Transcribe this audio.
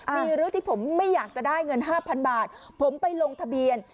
มีเรื่องที่ผมไม่อยากจะได้เงิน๕๐๐บาทผมไปลงทะเบียน